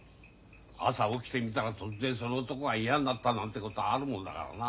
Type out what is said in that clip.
朝起きてみたら突然その男が嫌になったなんてことあるもんだからな。